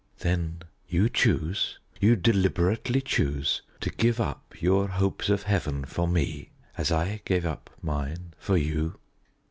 "Then you choose you deliberately choose to give up your hopes of heaven for me, as I gave up mine for you?"